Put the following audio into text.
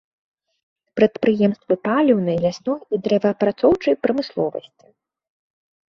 Прадпрыемствы паліўнай, лясной і дрэваапрацоўчай прамысловасці.